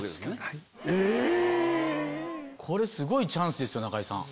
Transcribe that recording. これすごいチャンスです